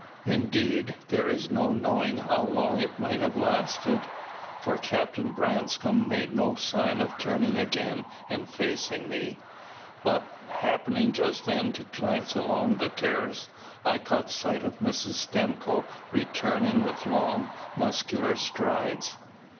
Indeed, there is no knowing how long it might have lasted for Captain Branscome made no sign of turning again and facing me but, happening just then to glance along the terrace, I caught sight of Mrs. Stimcoe returning with long, masculine strides.